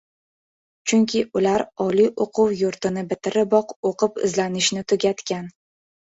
Chunki ular oliy o‘quv yurtini bitiriboq o‘qib-izlanishni tugatgan.